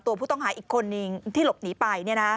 ตัวผู้ต้องหาอีกคนนึงที่หลบหนีไป